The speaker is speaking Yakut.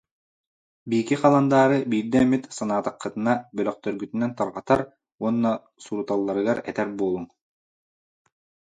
Биики халандаары биирдэ эмит, санаатаххытына, бөлөхтөргүтүнэн тарҕатар, уонна суруталларыгар этэр буолуҥ